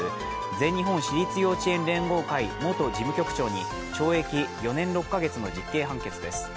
全日本私立幼稚園連合会元事務局長に懲役４年６か月の実刑判決です。